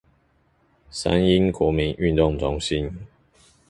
三鶯國民運動中心